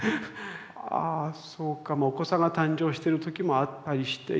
ああそうかもうお子さんが誕生してる時もあったりしていて。